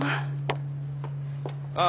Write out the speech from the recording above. ああ。